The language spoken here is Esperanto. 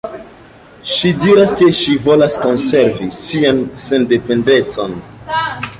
Ŝi diras, ke ŝi volas konservi sian sendependecon.